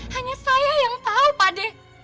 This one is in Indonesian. hanya saya yang tahu pak de